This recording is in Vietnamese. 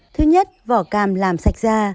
thứ nhất vỏ cam làm sạch da